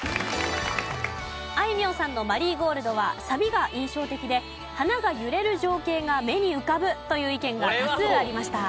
あいみょんさんの『マリーゴールド』はサビが印象的で花が揺れる情景が目に浮かぶという意見が多数ありました。